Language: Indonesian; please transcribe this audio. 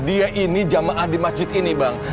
dia ini jamaah di masjid ini bang